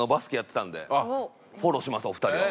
フォローしますお二人を。